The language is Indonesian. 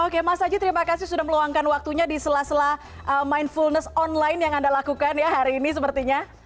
oke mas aji terima kasih sudah meluangkan waktunya di sela sela mindfulness online yang anda lakukan ya hari ini sepertinya